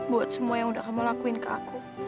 buat semua yang udah kamu lakuin ke aku